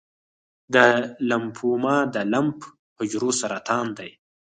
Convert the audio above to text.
د لمفوما د لمف حجرو سرطان دی.